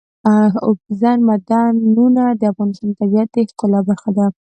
اوبزین معدنونه د افغانستان د طبیعت د ښکلا برخه ده.